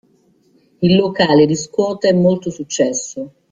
Il locale riscuote molto successo.